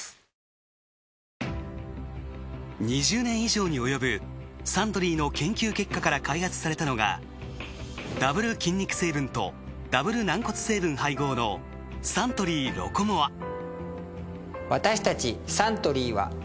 ２０年以上に及ぶサントリーの研究結果から開発されたのがダブル筋肉成分とダブル軟骨成分配合のサントリーロコモア。